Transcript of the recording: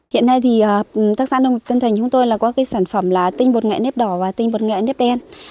hiện nay tác xã nông thượng tân thành chúng tôi có các sản phẩm tinh bột nghệ nếp đỏ và tinh bột nghệ nếp đen